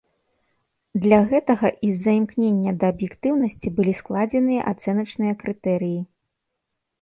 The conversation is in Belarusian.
Для гэтага і з-за імкнення да аб'ектыўнасці былі складзеныя ацэначныя крытэрыі.